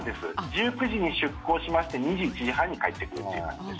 １９時に出航しまして２１時半に帰ってくるという感じです。